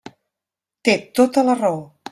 Té tota la raó.